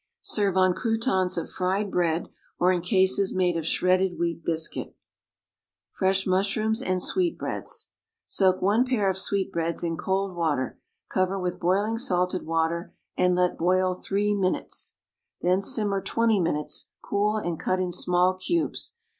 Serve on croutons of fried bread, or in cases made of shredded wheat biscuit. =Fresh Mushrooms and Sweetbreads.= Soak one pair of sweetbreads in cold water; cover with boiling salted water and let boil three minutes, then simmer twenty minutes; cool, and cut in small cubes.